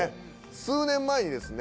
数年前にですね